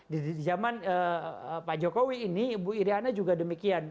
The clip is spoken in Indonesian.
di zaman pak jokowi ini ibu iryana juga demikian